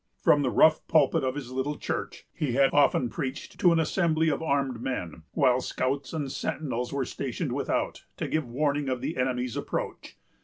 From the rough pulpit of his little church, he had often preached to an assembly of armed men, while scouts and sentinels were stationed without, to give warning of the enemy's approach.